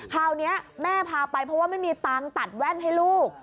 คราวนี้แม่พาไปเพราะว่าไม่มีตังค์ตัดแว่นให้ลูก